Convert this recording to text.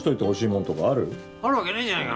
あるわけねえじゃねえか。